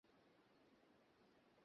এর ব্যবহার মূলত রাজনৈতিক।